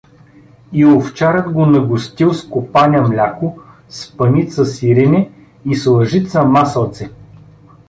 И овчарят го нагостил с копаня мляко, с паница сирене и с лъжица масълце.